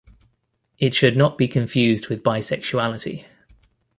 It should not be confused with bisexuality.